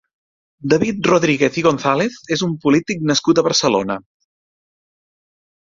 David Rodríguez i González és un polític nascut a Barcelona.